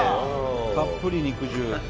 たっぷり肉汁。